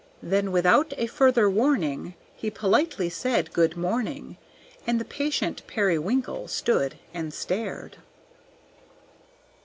Then without a further warning He politely said, "Good morning," And the patient Periwinkle stood and stared.